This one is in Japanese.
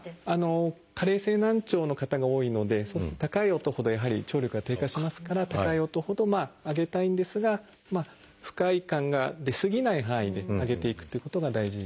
加齢性難聴の方が多いのでそうすると高い音ほどやはり聴力が低下しますから高い音ほど上げたいんですが不快感が出過ぎない範囲で上げていくということが大事ですね。